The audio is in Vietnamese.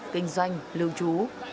kinh doanh lưu trú